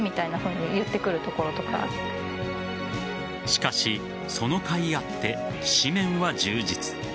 しかしそのかいあって紙面は充実。